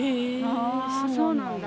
あそうなんだ。